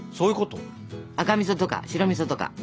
赤みそとか白みそとか。